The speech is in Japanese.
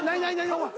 お前。